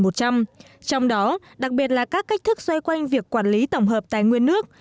trong đó đặc biệt là các cách thức xoay quanh việc quản lý tổng hợp tài nguyên nước